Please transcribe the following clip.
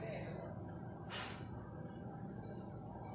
มีเวลาเมื่อเวลาเมื่อเวลา